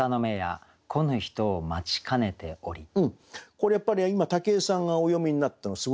これやっぱり今武井さんがお読みになったのすごくよくて。